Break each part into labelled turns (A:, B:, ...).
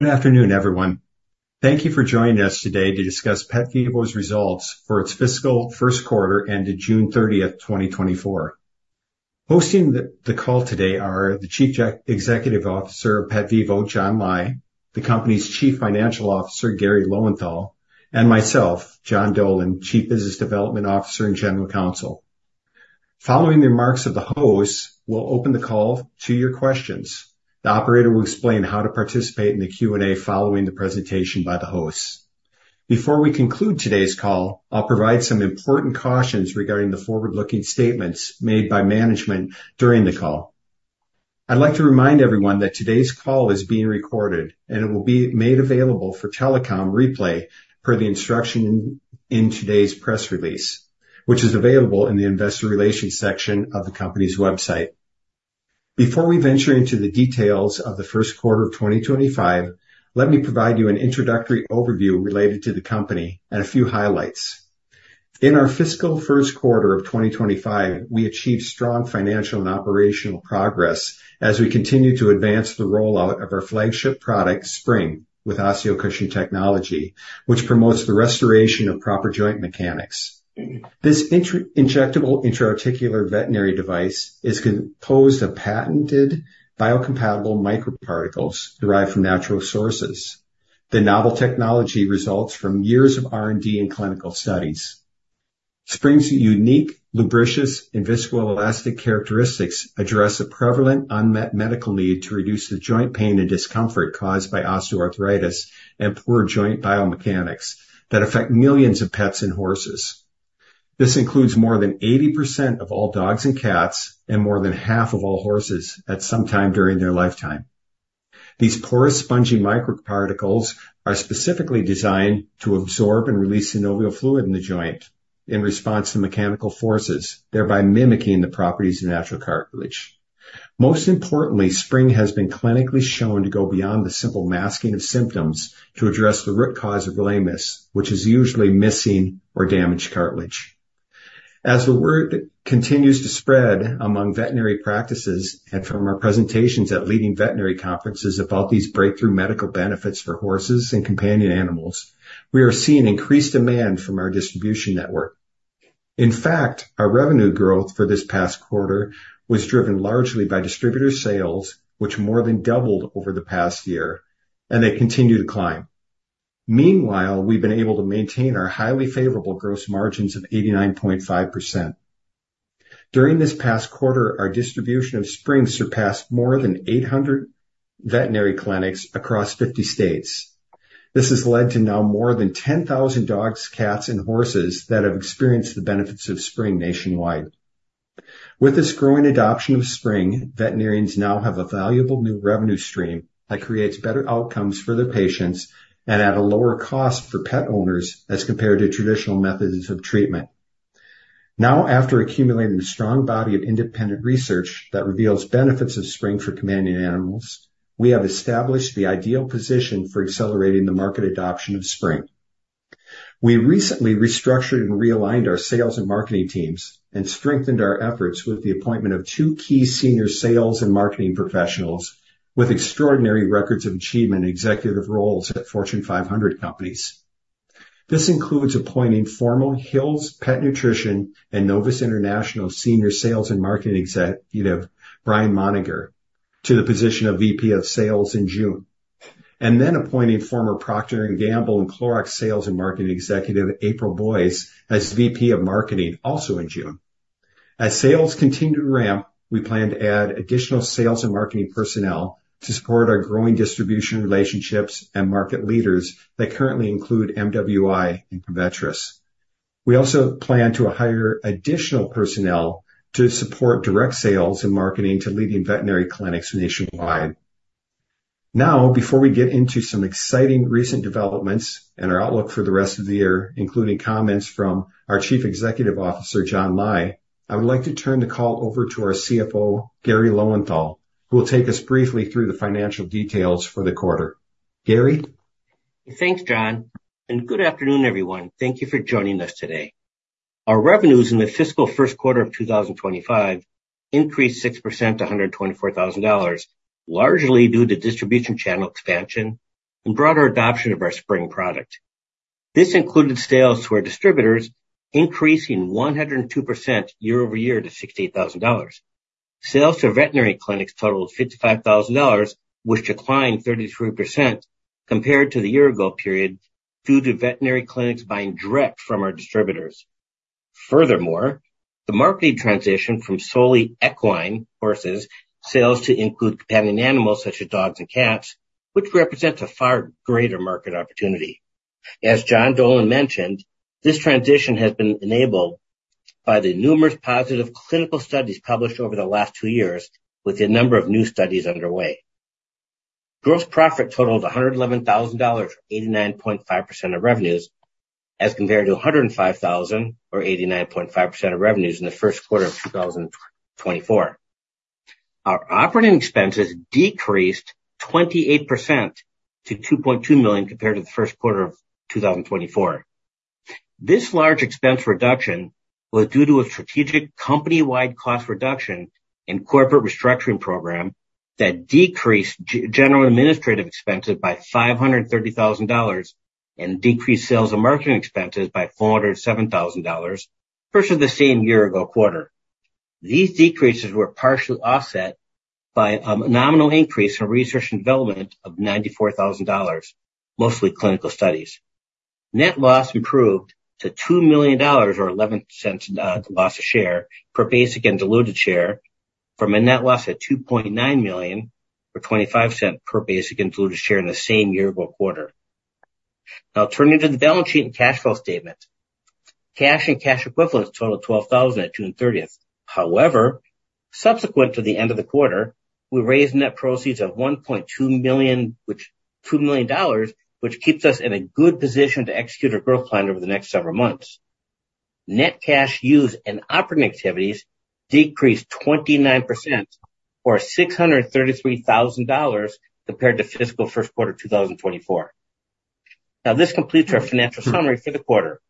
A: Good afternoon, everyone. Thank you for joining us today to discuss PetVivo's Results for its Fiscal First Quarter ended June 30, 2024. Hosting the call today are the Chief Executive Officer of PetVivo, John Lai; the company's Chief Financial Officer, Garry Lowenthal; and myself, John Dolan, Chief Business Development Officer and General Counsel. Following the remarks of the hosts, we'll open the call to your questions. The operator will explain how to participate in the Q&A following the presentation by the hosts. Before we conclude today's call, I'll provide some important cautions regarding the forward-looking statements made by management during the call. I'd like to remind everyone that today's call is being recorded, and it will be made available for telecom replay per the instruction in today's press release, which is available in the investor relations section of the company's website. Before we venture into the details of the first quarter of 2025, let me provide you an introductory overview related to the company and a few highlights. In our fiscal first quarter of 2025, we achieved strong financial and operational progress as we continue to advance the rollout of our flagship product, Spryng, with OsteoCushion technology, which promotes the restoration of proper joint mechanics. This intra-articular injectable veterinary device is composed of patented biocompatible microparticles derived from natural sources. The novel technology results from years of R&D and clinical studies. Spryng's unique, lubricious, and viscoelastic characteristics address a prevalent, unmet medical need to reduce the joint pain and discomfort caused by osteoarthritis and poor joint biomechanics that affect millions of pets and horses. This includes more than 80% of all dogs and cats, and more than half of all horses at some time during their lifetime. These porous, spongy microparticles are specifically designed to absorb and release synovial fluid in the joint in response to mechanical forces, thereby mimicking the properties of natural cartilage. Most importantly, Spryng has been clinically shown to go beyond the simple masking of symptoms to address the root cause of lameness, which is usually missing or damaged cartilage. As the word continues to spread among veterinary practices and from our presentations at leading veterinary conferences about these breakthrough medical benefits for horses and companion animals, we are seeing increased demand from our distribution network. In fact, our revenue growth for this past quarter was driven largely by distributor sales, which more than doubled over the past year, and they continue to climb. Meanwhile, we've been able to maintain our highly favorable gross margins of 89.5%. During this past quarter, our distribution of Spryng surpassed more than 800 veterinary clinics across 50 states. This has led to now more than 10,000 dogs, cats, and horses that have experienced the benefits of Spryng nationwide. With this growing adoption of Spryng, veterinarians now have a valuable new revenue stream that creates better outcomes for their patients and at a lower cost for pet owners as compared to traditional methods of treatment. Now, after accumulating a strong body of independent research that reveals benefits of Spryng for companion animals, we have established the ideal position for accelerating the market adoption of Spryng. We recently restructured and realigned our sales and marketing teams and strengthened our efforts with the appointment of two key senior sales and marketing professionals with extraordinary records of achievement in executive roles at Fortune 500 companies. This includes appointing former Hill's Pet Nutrition and Novus International Senior Sales and Marketing Executive, Bryan Monninger, to the position of VP of Sales in June, and then appointing former Procter & Gamble and Clorox Sales and Marketing Executive, April Boyce, as VP of Marketing, also in June. As sales continue to ramp, we plan to add additional sales and marketing personnel to support our growing distribution relationships and market leaders that currently include MWI and Covetrus. We also plan to hire additional personnel to support direct sales and marketing to leading veterinary clinics nationwide. Now, before we get into some exciting recent developments and our outlook for the rest of the year, including comments from our Chief Executive Officer, John Lai, I would like to turn the call over to our CFO, Garry Lowenthal, who will take us briefly through the financial details for the quarter. Garry?
B: Thanks, John, and good afternoon, everyone. Thank you for joining us today. Our revenues in the fiscal first quarter of 2025 increased 6% to $124,000, largely due to distribution channel expansion and broader adoption of our Spryng product. This included sales to our distributors, increasing 102% year-over-year to $68,000. Sales to veterinary clinics totaled $55,000, which declined 33% compared to the year ago period, due to veterinary clinics buying direct from our distributors. Furthermore, the marketing transitioned from solely equine, horses, sales to include companion animals, such as dogs and cats, which represents a far greater market opportunity. As John Dolan mentioned, this transition has been enabled by the numerous positive clinical studies published over the last two years, with a number of new studies underway. Gross profit totaled $111,000, 89.5% of revenues, as compared to $105,000 or 89.5% of revenues in the first quarter of 2024. Our operating expenses decreased 28% to $2.2 million compared to the first quarter of 2024. This large expense reduction was due to a strategic company-wide cost reduction and corporate restructuring program that decreased general administrative expenses by $530,000, and decreased sales and marketing expenses by $407,000 versus the same year-ago quarter. These decreases were partially offset by a nominal increase in research and development of $94,000, mostly clinical studies. Net loss improved to $2 million, or $0.11 loss per share for basic and diluted share, from a net loss of $2.9 million, or $0.25 per basic and diluted share in the same year-ago quarter. Now turning to the balance sheet and cash flow statement. Cash and cash equivalents totaled $12,000 at June 30. However, subsequent to the end of the quarter, we raised net proceeds of $1.2 million--which $2 million, which keeps us in a good position to execute our growth plan over the next several months. Net cash used in operating activities decreased 29%, or $633,000 compared to fiscal first quarter of 2024. Now, this completes our financial summary for the quarter.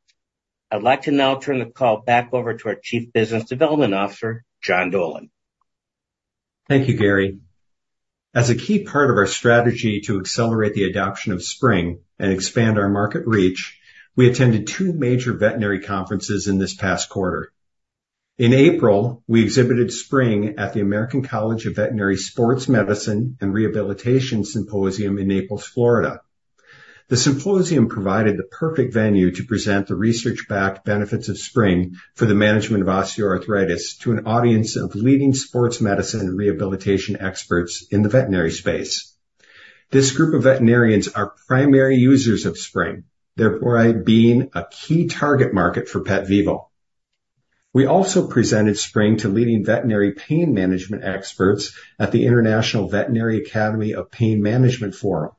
B: I'd like to now turn the call back over to our Chief Business Development Officer, John Dolan.
A: Thank you, Garry. As a key part of our strategy to accelerate the adoption of Spryng and expand our market reach, we attended two major veterinary conferences in this past quarter. In April, we exhibited Spryng at the American College of Veterinary Sports Medicine and Rehabilitation Symposium in Naples, Florida. The symposium provided the perfect venue to present the research-backed benefits of Spryng for the management of osteoarthritis to an audience of leading sports medicine and rehabilitation experts in the veterinary space. This group of veterinarians are primary users of Spryng, therefore, being a key target market for PetVivo. We also presented Spryng to leading veterinary pain management experts at the International Veterinary Academy of Pain Management Forum.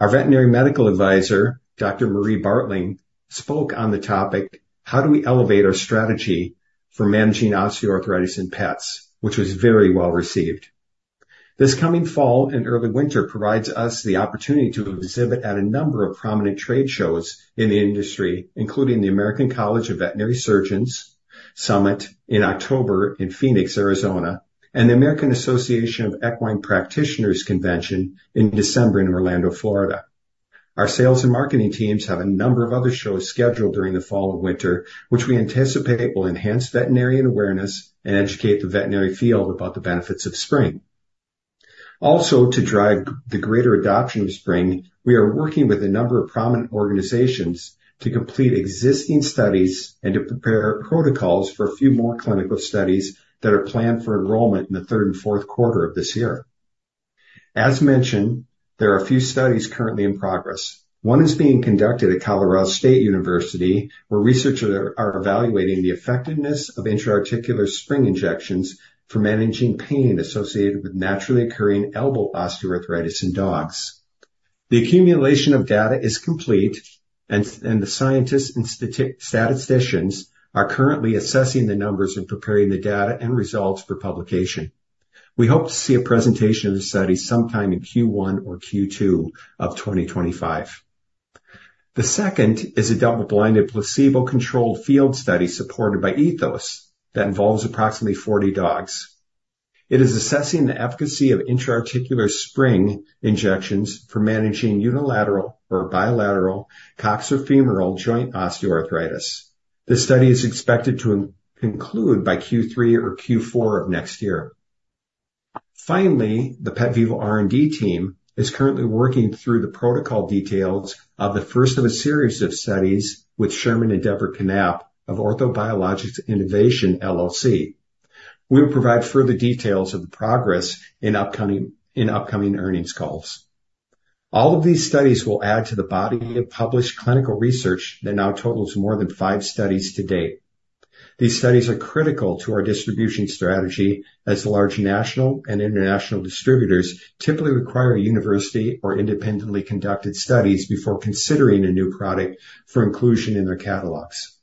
A: Our veterinary medical advisor, Dr. Marie Bartling, spoke on the topic: How do we elevate our strategy for managing osteoarthritis in pets? Which was very well received. This coming fall and early winter provides us the opportunity to exhibit at a number of prominent trade shows in the industry, including the American College of Veterinary Surgeons Summit in October in Phoenix, Arizona, and the American Association of Equine Practitioners Convention in December in Orlando, Florida. Our sales and marketing teams have a number of other shows scheduled during the fall and winter, which we anticipate will enhance veterinarian awareness and educate the veterinary field about the benefits of Spryng. Also, to drive the greater adoption of Spryng, we are working with a number of prominent organizations to complete existing studies and to prepare protocols for a few more clinical studies that are planned for enrollment in the third and fourth quarter of this year. As mentioned, there are a few studies currently in progress. One is being conducted at Colorado State University, where researchers are evaluating the effectiveness of intra-articular Spryng injections for managing pain associated with naturally occurring elbow osteoarthritis in dogs. The accumulation of data is complete, and the scientists and statisticians are currently assessing the numbers and preparing the data and results for publication. We hope to see a presentation of the study sometime in Q1 or Q2 of 2025. The second is a double-blind, placebo-controlled field study supported by Ethos that involves approximately 40 dogs. It is assessing the efficacy of intra-articular Spryng injections for managing unilateral or bilateral coxofemoral joint osteoarthritis. This study is expected to conclude by Q3 or Q4 of next year. Finally, the PetVivo R&D team is currently working through the protocol details of the first of a series of studies with Sherman and Deborah Knapp of Orthobiologics Innovation LLC. We'll provide further details of the progress in upcoming earnings calls. All of these studies will add to the body of published clinical research that now totals more than five studies to date. These studies are critical to our distribution strategy, as large national and international distributors typically require university or independently conducted studies before considering a new product for inclusion in their catalogs.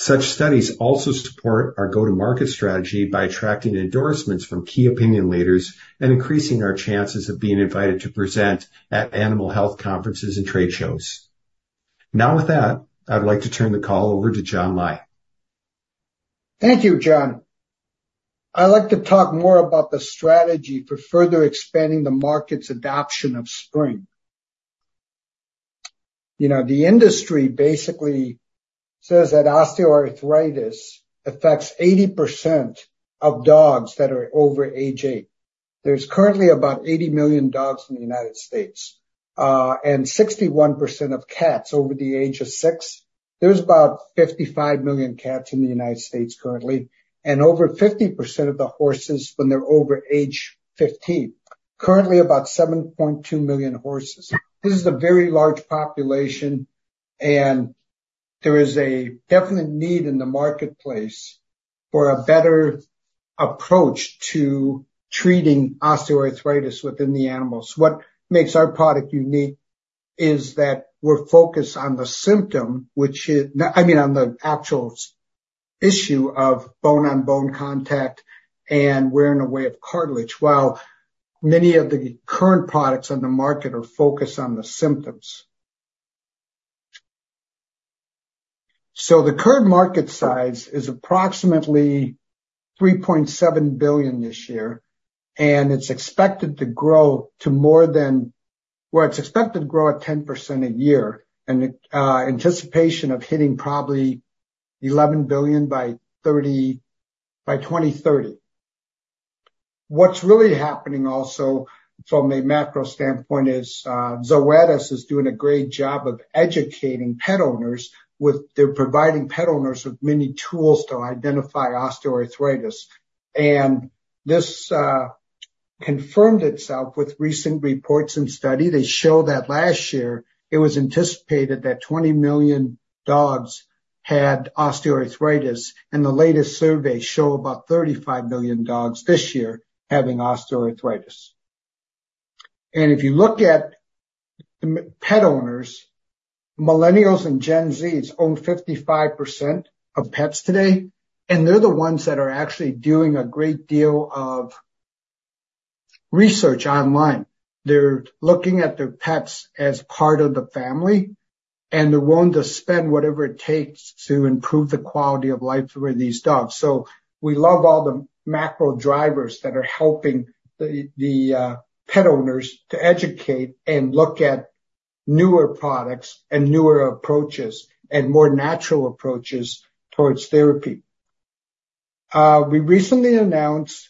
A: Such studies also support our go-to-market strategy by attracting endorsements from key opinion leaders and increasing our chances of being invited to present at animal health conferences and trade shows. Now with that, I'd like to turn the call over to John Lai.
C: Thank you, John. I'd like to talk more about the strategy for further expanding the market's adoption of Spryng. You know, the industry basically says that osteoarthritis affects 80% of dogs that are over age eight. There's currently about 80 million dogs in the United States, and 61% of cats over the age of six. There's about 55 million cats in the United States currently, and over 50% of the horses when they're over age 15. Currently, about 7.2 million horses. This is a very large population, and there is a definite need in the marketplace for a better approach to treating osteoarthritis within the animals. What makes our product unique is that we're focused on the symptom, which is--I mean, on the actual issue of bone-on-bone contact and wearing away of cartilage, while many of the current products on the market are focused on the symptoms. So the current market size is approximately $3.7 billion this year, and it's expected to grow to more than-- well, it's expected to grow at 10% a year, in the anticipation of hitting probably $11 billion by 2030. What's really happening also from a macro standpoint is, Zoetis is doing a great job of educating pet owners with-- they're providing pet owners with many tools to identify osteoarthritis. And this confirmed itself with recent reports and study. They show that last year it was anticipated that 20 million dogs had osteoarthritis, and the latest surveys show about 35 million dogs this year having osteoarthritis. And if you look at pet owners, millennials and Gen Zs own 55% of pets today, and they're the ones that are actually doing a great deal of research online. They're looking at their pets as part of the family, and they're willing to spend whatever it takes to improve the quality of life for these dogs. So we love all the macro drivers that are helping the pet owners to educate and look at newer products and newer approaches and more natural approaches towards therapy. We recently announced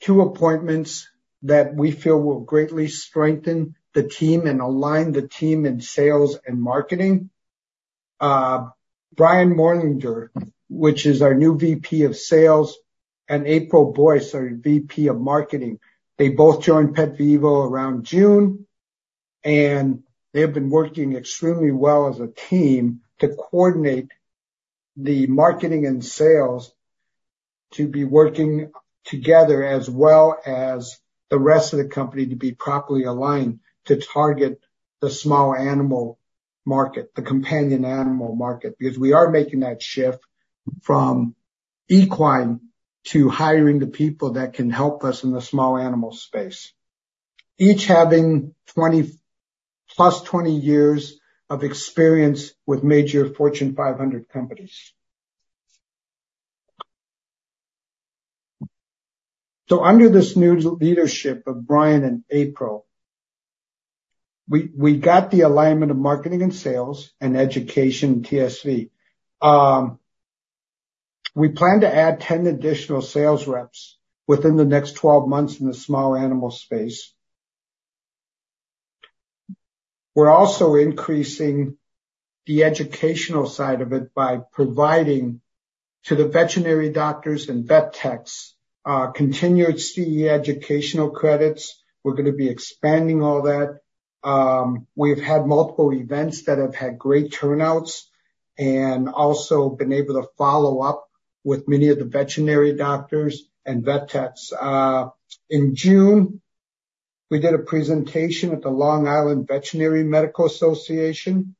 C: two appointments that we feel will greatly strengthen the team and align the team in sales and marketing. Bryan Monninger, which is our new VP of Sales, and April Boyce, our VP of Marketing. They both joined PetVivo around June, and they have been working extremely well as a team to coordinate the marketing and sales to be working together, as well as the rest of the company, to be properly aligned to target the small animal market, the companion animal market, because we are making that shift from equine to hiring the people that can help us in the small animal space. Each having +20 years of experience with major Fortune 500 companies. So under this new leadership of Bryan and April, we got the alignment of marketing and sales and education TSV. We plan to add 10 additional sales reps within the next 12 months in the small animal space. We're also increasing the educational side of it by providing to the veterinary doctors and vet techs continued CE educational credits. We're gonna be expanding all that. We've had multiple events that have had great turnouts and also been able to follow up with many of the veterinary doctors and vet techs. In June, we did a presentation at the Long Island Veterinary Medical Association,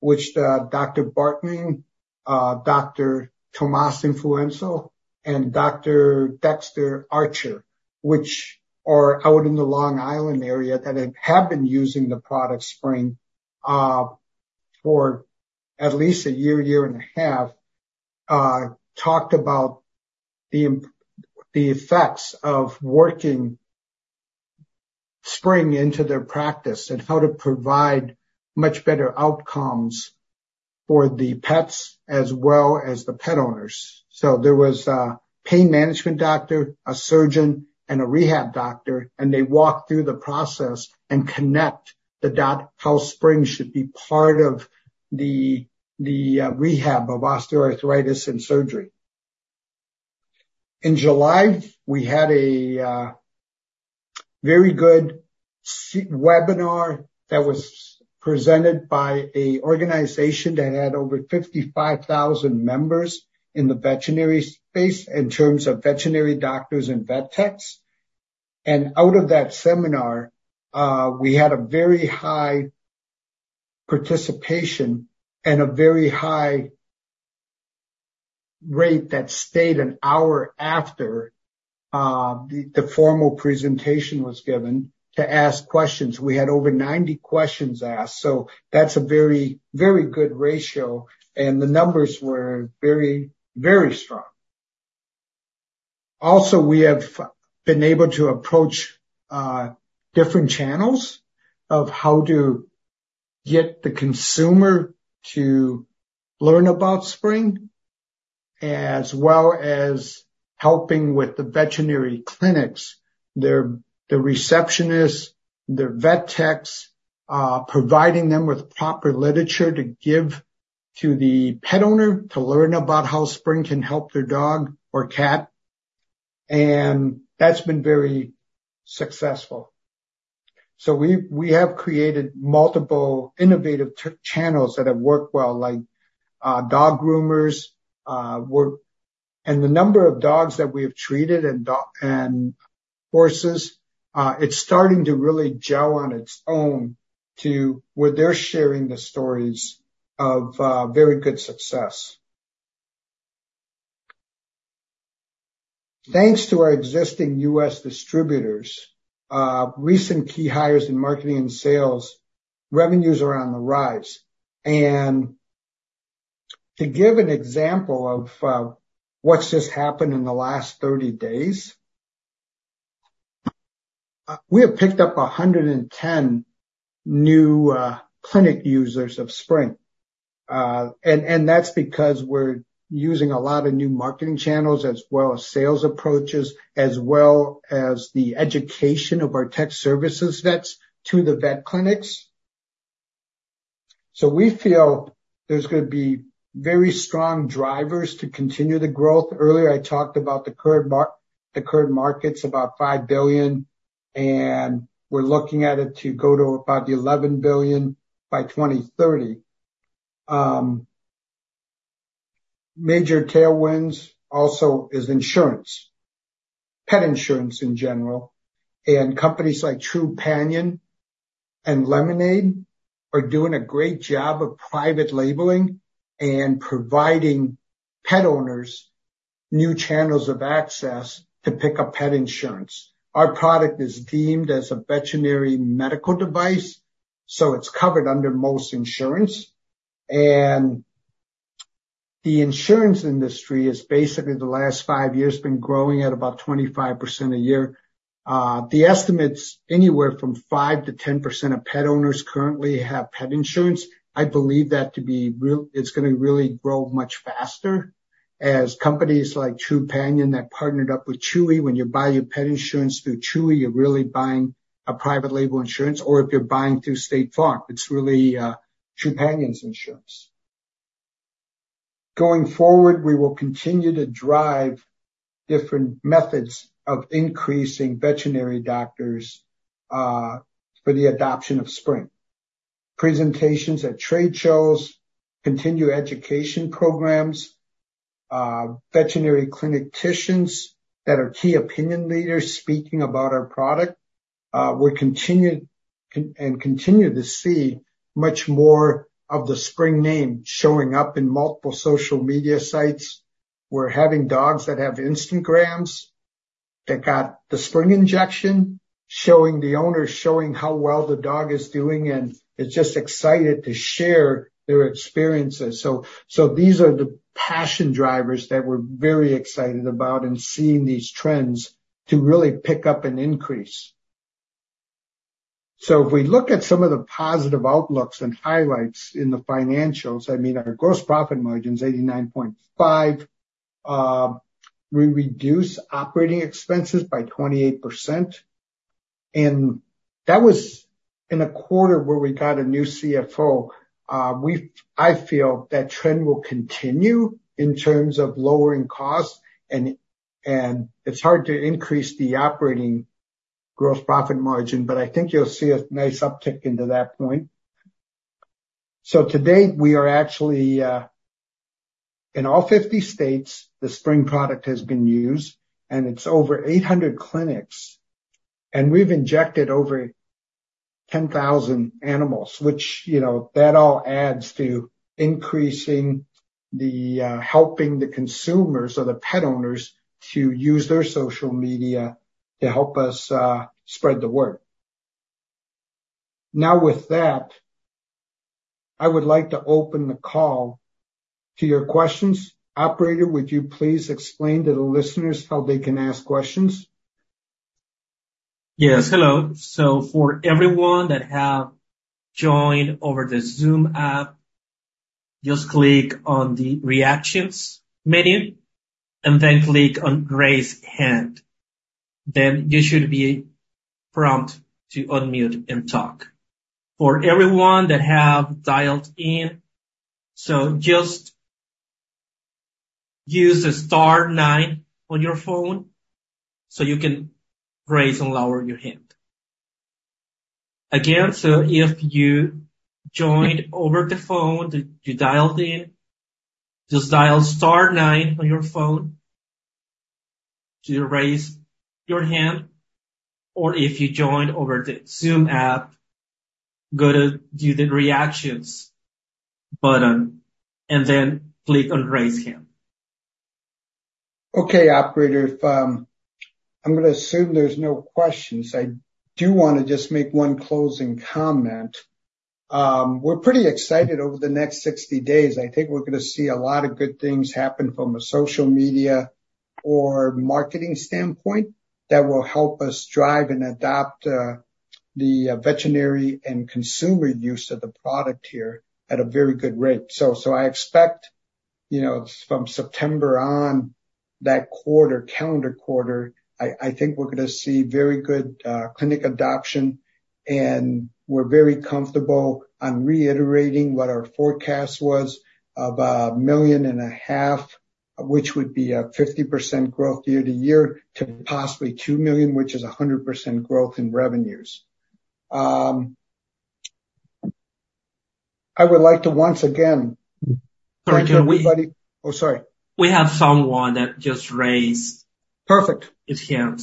C: which Dr. Bartling, Dr. Tomas Infernuso, and Dr. Dexter Archer, which are out in the Long Island area, that have been using the product Spryng for at least a year, year and a half, talked about the effects of working Spryng into their practice and how to provide much better outcomes for the pets as well as the pet owners. So there was a pain management doctor, a surgeon, and a rehab doctor, and they walked through the process and connect the dot, how Spryng should be part of the rehab of osteoarthritis and surgery. In July, we had a very good webinar that was presented by an organization that had over 55,000 members in the veterinary space in terms of veterinary doctors and vet techs. Out of that seminar, we had a very high participation and a very high rate that stayed an hour after the formal presentation was given to ask questions. We had over 90 questions asked, so that's a very, very good ratio, and the numbers were very, very strong. Also, we have been able to approach different channels of how to get the consumer to learn about Spryng, as well as helping with the veterinary clinics, their receptionists, their vet techs, providing them with proper literature to give to the pet owner to learn about how Spryng can help their dog or cat, and that's been very successful. We have created multiple innovative channels that have worked well, like dog groomers and the number of dogs that we have treated and dogs and horses. It's starting to really gel on its own to where they're sharing the stories of very good success. Thanks to our existing U.S. distributors, recent key hires in marketing and sales, revenues are on the rise. And to give an example of what's just happened in the last 30 days, we have picked up 110 new clinic users of Spryng. And that's because we're using a lot of new marketing channels as well as sales approaches, as well as the education of our tech services vets to the vet clinics. So we feel there's gonna be very strong drivers to continue the growth. Earlier, I talked about the current market's about $5 billion, and we're looking at it to go to about $11 billion by 2030. Major tailwinds also is insurance, pet insurance in general, and companies like Trupanion and Lemonade are doing a great job of private labeling and providing pet owners new channels of access to pick up pet insurance. Our product is deemed as a veterinary medical device, so it's covered under most insurance. The insurance industry is basically, the last five years, been growing at about 25% a year. The estimate's anywhere from 5%-10% of pet owners currently have pet insurance. I believe that to be real—it's gonna really grow much faster as companies like Trupanion that partnered up with Chewy. When you buy your pet insurance through Chewy, you're really buying a private label insurance, or if you're buying through State Farm, it's really, Trupanion's insurance. Going forward, we will continue to drive different methods of increasing veterinary doctors, for the adoption of Spryng. Presentations at trade shows, continued education programs, veterinary clinicians that are key opinion leaders speaking about our product. We continue and continue to see much more of the Spryng name showing up in multiple social media sites. We're having dogs that have Instagrams that got the Spryng injection, showing the owners, showing how well the dog is doing, and it's just excited to share their experiences. So, so these are the passion drivers that we're very excited about and seeing these trends to really pick up and increase. So if we look at some of the positive outlooks and highlights in the financials, I mean, our gross profit margin is 89.5%. We reduced operating expenses by 28%, and that was in a quarter where we got a new CFO. We've I feel that trend will continue in terms of lowering costs, and it's hard to increase the operating gross profit margin, but I think you'll see a nice uptick into that point. So to date, we are actually in all 50 states, the Spryng product has been used, and it's over 800 clinics, and we've injected over 10,000 animals, which, you know, that all adds to increasing the helping the consumers or the pet owners to use their social media to help us spread the word. Now with that, I would like to open the call to your questions. Operator, would you please explain to the listeners how they can ask questions?
D: Yes, hello. So for everyone that have joined over the Zoom app, just click on the Reactions menu and then click on Raise Hand. Then you should be prompted to unmute and talk. For everyone that have dialed in, so just use the star nine on your phone, so you can raise and lower your hand. Again, so if you joined over the phone, that you dialed in, just dial star nine on your phone to raise your hand, or if you joined over the Zoom app, go to do the Reactions button and then click on Raise Hand.
C: Okay, operator, if I'm gonna assume there's no questions. I do wanna just make one closing comment. We're pretty excited over the next 60 days. I think we're gonna see a lot of good things happen from a social media or marketing standpoint that will help us drive and adopt the veterinary and consumer use of the product here at a very good rate. So I expect, you know, from September on, that quarter, calendar quarter, I think we're gonna see very good clinic adoption, and we're very comfortable on reiterating what our forecast was of $1.5 million, which would be 50% growth year-over-year, to possibly $2 million, which is 100% growth in revenues. I would like to once again thank everybody-- Oh, sorry.
D: We have someone that just raised.
C: Perfect.
D: His hands.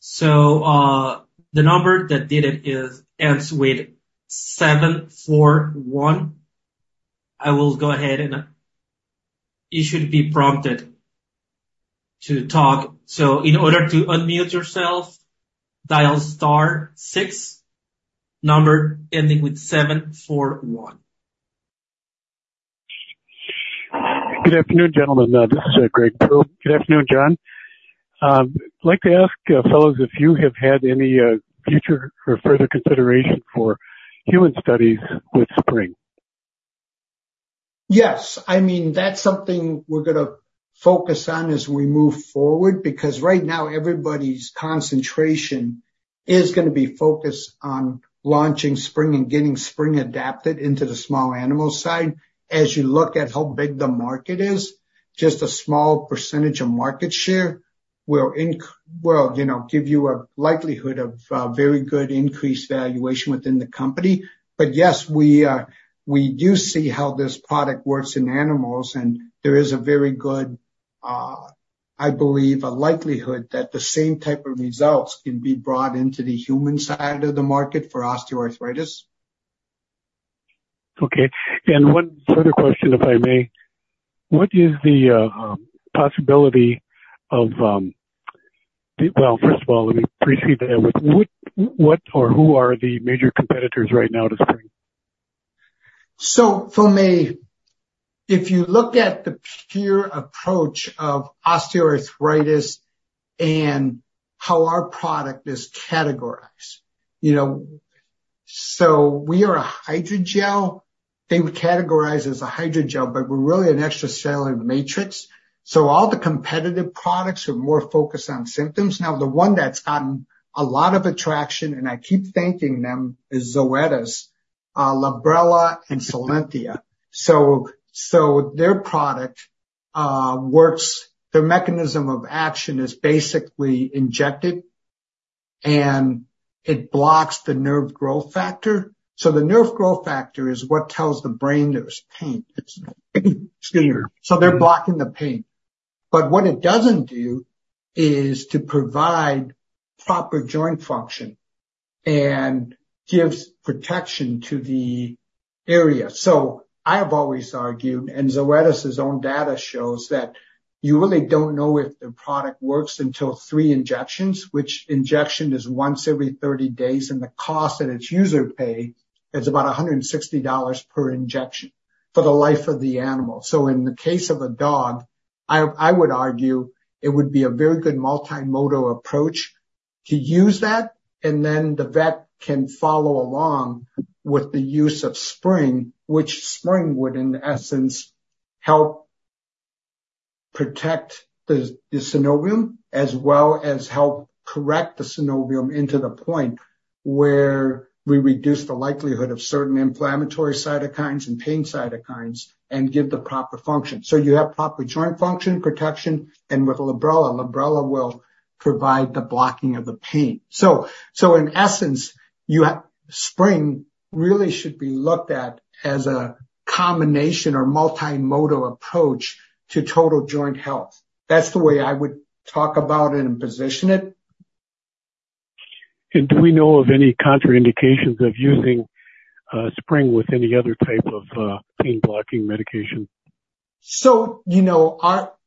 D: So, the number that did it is, ends with 741. I will go ahead, and you should be prompted to talk. So in order to unmute yourself, dial star six, number ending with 741.
E: Good afternoon, gentlemen. This is Greg Pearl. Good afternoon, John. I'd like to ask, fellows, if you have had any future or further consideration for human studies with Spryng?
C: Yes. I mean, that's something we're gonna focus on as we move forward, because right now, everybody's concentration is gonna be focused on launching Spryng and getting Spryng adapted into the small animal side. As you look at how big the market is, just a small percentage of market share will, you know, give you a likelihood of very good increased valuation within the company. But yes, we do see how this product works in animals, and there is a very good, I believe, a likelihood that the same type of results can be brought into the human side of the market for osteoarthritis.
E: Okay, and one further question, if I may. What is the possibility of, well, first of all, let me precede that with what or who are the major competitors right now to Spryng?
C: So for me, if you look at the pure approach of osteoarthritis and how our product is categorized. You know, so we are a hydrogel. They would categorize as a hydrogel, but we're really an extracellular matrix, so all the competitive products are more focused on symptoms. Now, the one that's gotten a lot of attention, and I keep thanking them, is Zoetis, Librela and Solensia. So their product works. Their mechanism of action is basically injected, and it blocks the nerve growth factor. So the nerve growth factor is what tells the brain there's pain. It's, so they're blocking the pain, but what it doesn't do is to provide proper joint function and gives protection to the area. I've always argued, and Zoetis' own data shows that you really don't know if the product works until three injections, which injection is once every 30 days, and the cost that its user pay is about $160 per injection for the life of the animal. So in the case of a dog, I, I would argue it would be a very good multimodal approach to use that, and then the vet can follow along with the use of Spryng, which Spryng would, in essence, help protect the, the synovium, as well as help correct the synovium into the point where we reduce the likelihood of certain inflammatory cytokines and pain cytokines and give the proper function. So you have proper joint function, protection, and with Librela, Librela will provide the blocking of the pain. So, in essence, you have Spryng really should be looked at as a combination or multimodal approach to total joint health. That's the way I would talk about it and position it.
E: Do we know of any contraindications of using Spryng with any other type of pain-blocking medication?
C: So, you know,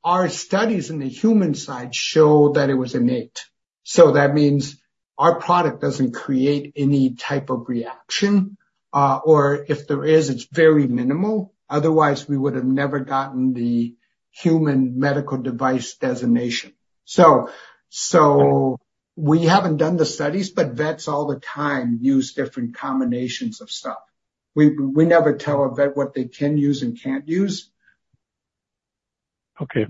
C: our studies in the human side show that it was innate, so that means our product doesn't create any type of reaction, or if there is, it's very minimal. Otherwise, we would have never gotten the human medical device designation. So, we haven't done the studies, but vets all the time use different combinations of stuff. We never tell a vet what they can use and can't use.
E: Okay.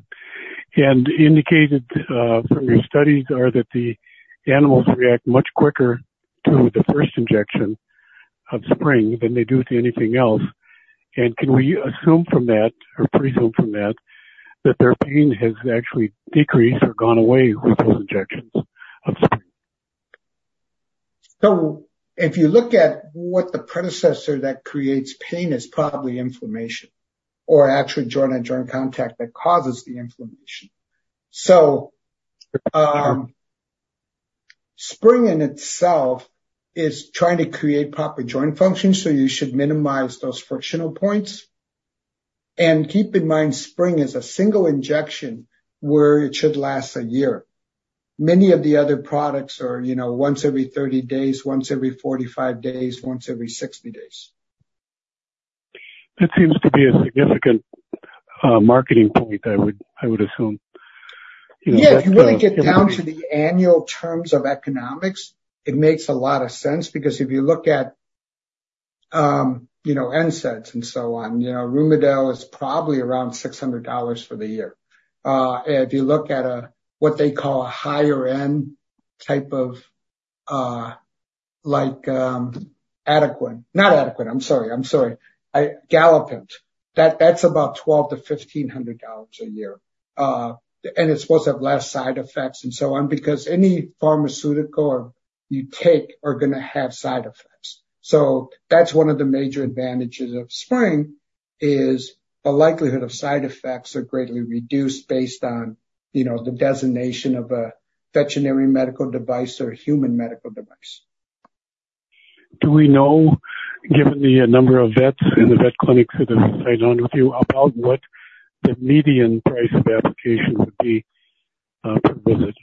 E: Indicated, from your studies are that the animals react much quicker to the first injection of Spryng than they do to anything else. Can we assume from that, or presume from that, that their pain has actually decreased or gone away with those injections of Spryng?
C: If you look at what the predecessor that creates pain is probably inflammation or actually joint and joint contact that causes the inflammation. Spryng in itself is trying to create proper joint function, so you should minimize those frictional points. Keep in mind, Spryng is a single injection where it should last a year. Many of the other products are, you know, once every 30 days, once every 45 days, once every 60 days.
E: That seems to be a significant marketing point, I would, I would assume, you know--
C: Yeah, if you really get down to the annual terms of economics, it makes a lot of sense because if you look at, you know, NSAIDs and so on, you know, Rimadyl is probably around $600 for the year. If you look at a, what they call a higher-end type of, like, Adequan. Not Adequan. I'm sorry, I'm sorry, I--Galliprant, that's about $1,200-$1,500 a year. And it's supposed to have less side effects and so on, because any pharmaceutical you take are gonna have side effects. So that's one of the major advantages of Spryng, is the likelihood of side effects are greatly reduced based on, you know, the designation of a veterinary medical device or a human medical device.
E: Do we know, given the number of vets and the vet clinics that have signed on with you, about what the median price of application would be, per visit?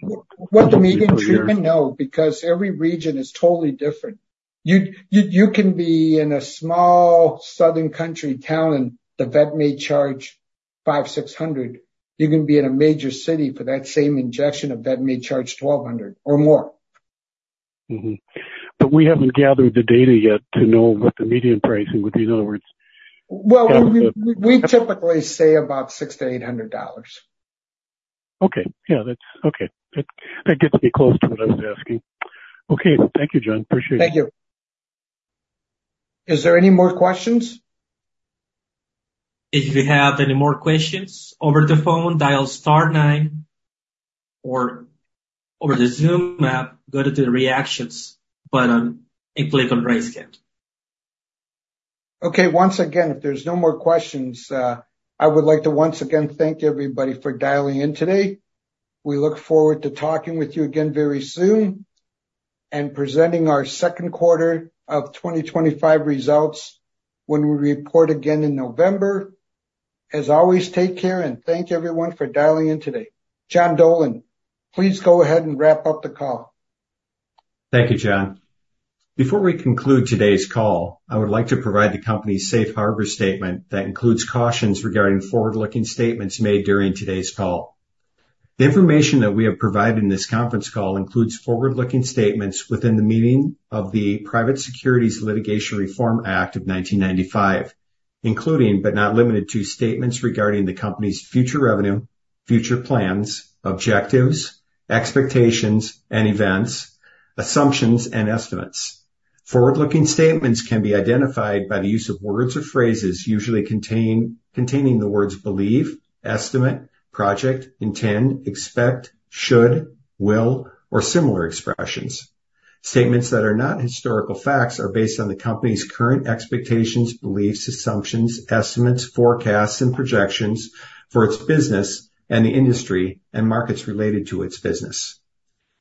C: What the median treatment? No, because every region is totally different. You can be in a small southern country town, and the vet may charge $500-$600. You can be in a major city for that same injection, a vet may charge $1,200 or more.
E: But we haven't gathered the data yet to know what the median pricing would be, in other words.
C: Well, we typically say about $600-$800.
E: Okay. Yeah, that's okay. That, that gets me close to what I was asking. Okay. Thank you, John. Appreciate it.
C: Thank you. Is there any more questions?
D: If you have any more questions over the phone, dial star nine, or over the Zoom app, go to the reactions button and click on raise hand.
C: Okay. Once again, if there's no more questions, I would like to once again thank everybody for dialing in today. We look forward to talking with you again very soon and presenting our second quarter of 2025 results when we report again in November. As always, take care, and thank you everyone for dialing in today. John Dolan, please go ahead and wrap up the call.
A: Thank you, John. Before we conclude today's call, I would like to provide the company's safe harbor statement that includes cautions regarding forward-looking statements made during today's call. The information that we have provided in this conference call includes forward-looking statements within the meaning of the Private Securities Litigation Reform Act of 1995, including but not limited to, statements regarding the company's future revenue, future plans, objectives, expectations and events, assumptions, and estimates. Forward-looking statements can be identified by the use of words or phrases usually containing the words believe, estimate, project, intend, expect, should, will, or similar expressions. Statements that are not historical facts are based on the company's current expectations, beliefs, assumptions, estimates, forecasts, and projections for its business and the industry and markets related to its business.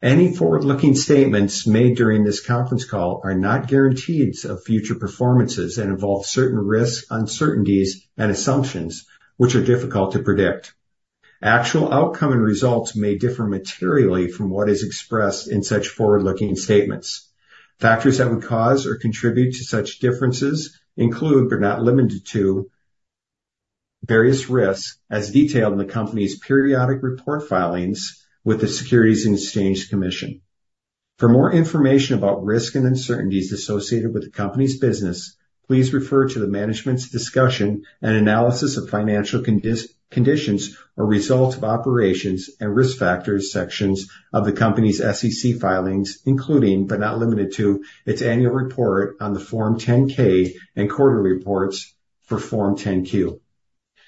A: Any forward-looking statements made during this conference call are not guarantees of future performance and involve certain risks, uncertainties, and assumptions which are difficult to predict. Actual outcome and results may differ materially from what is expressed in such forward-looking statements. Factors that would cause or contribute to such differences include, but not limited to, various risks as detailed in the company's periodic report filings with the Securities and Exchange Commission. For more information about risks and uncertainties associated with the company's business, please refer to the management's discussion and analysis of financial conditions or results of operations and risk factors sections of the company's SEC filings, including, but not limited to, its annual report on the Form 10-K and quarterly reports for Form 10-Q.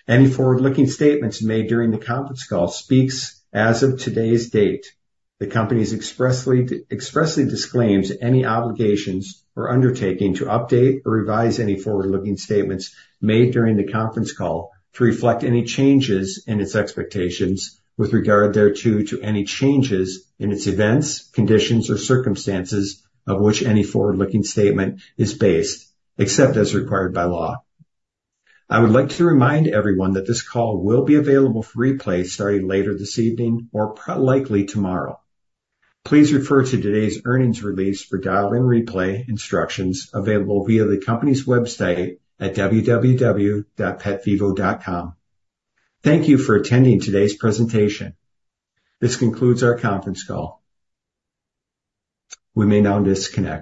A: Any forward-looking statements made during the conference call speaks as of today's date. The company expressly disclaims any obligations or undertaking to update or revise any forward-looking statements made during the conference call to reflect any changes in its expectations with regard thereto, to any changes in its events, conditions or circumstances of which any forward-looking statement is based, except as required by law. I would like to remind everyone that this call will be available for replay starting later this evening or probably tomorrow. Please refer to today's earnings release for dial-in replay instructions available via the company's website at www.petvivo.com. Thank you for attending today's presentation. This concludes our conference call. We may now disconnect.